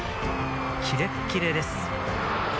キレッキレです！